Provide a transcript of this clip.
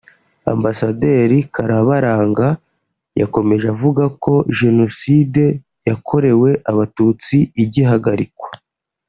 Ambasaderi Karabaranga yakomeje avuga ko Jenocide yakorewe Abatutsi igihagarikwa